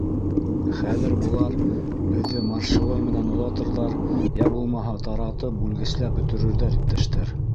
Хәҙер былар беҙҙе маршевой менән оҙатырҙар, йә булмаһа, таратып, бүлгесләп бөтөрөрҙәр, иптәштәр.